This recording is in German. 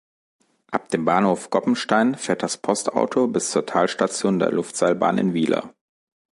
Ab dem Bahnhof Goppenstein fährt das Postauto bis zur Talstation der Luftseilbahn in Wiler.